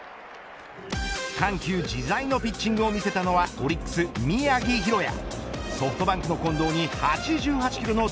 緩急自在のピッチングを見せたのはオリックス宮城大弥。